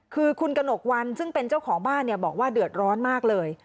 คือคุณกระหนกวันซึ่งเป็นเจ้าของบ้านเนี่ยบอกว่าเดือดร้อนมากเลย